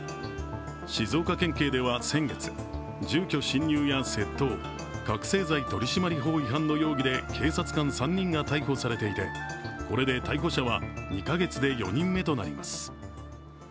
静岡県警では先月、住居侵入や窃盗覚醒剤取締法違反の疑いの容疑で警察官３人が逮捕されていてこれで逮捕者は２か月で４人目となります。